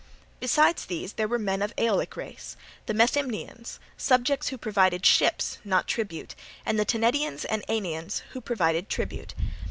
Besides these there were men of Aeolic race, the Methymnians, subjects who provided ships, not tribute, and the Tenedians and Aenians who paid tribute.